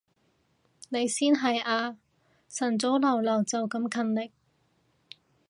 你先係啊，晨早流流就咁勤力